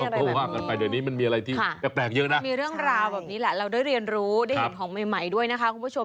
ถือสมาร์ทโฟนไหมอะไรแบบนี้ค่ะมีเรื่องราวแบบนี้แหละเราได้เรียนรู้ได้เห็นของใหม่ด้วยนะคะคุณผู้ชม